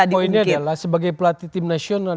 poinnya adalah sebagai pelatih tim nasional